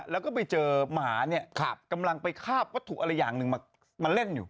แล้วก็ไปเจอหมาเนี่ยกำลังไปคาบวัตถุอะไรอย่างหนึ่งมาเล่นอยู่